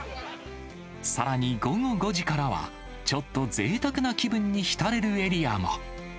さらに、午後５時からは、ちょっとぜいたくな気分に浸れるエリアも。